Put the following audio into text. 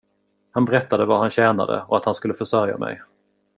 Han berättade vad han tjänade och att han skulle försörja mig.